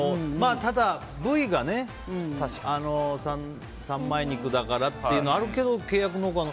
ただ、部位がね三枚肉だからっていうのはあるけど、契約農家の。